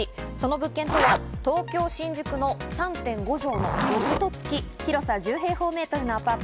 その物件とは東京・新宿の３．５帖のロフトつき、広さ１０平方メートルのアパート。